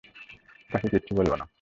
তাকে কিচ্ছু বলবো না।